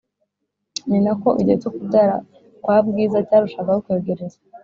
ninako igihe cyokubyara kwa bwiza cyarushagaho kwegereza